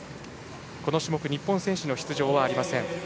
この種目、日本選手の出場はありません。